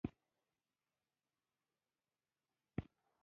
یو سل او شپږ پنځوسمه پوښتنه د پیشنهاد په اړه ده.